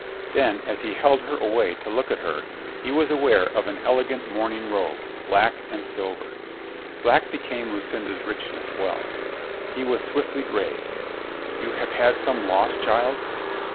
Then, as he held her away to look at her, he was aware of an elegant mourning robe, black and silver. Black became Lucinda's richness well. He was swiftly grave. "You have had some loss, child?"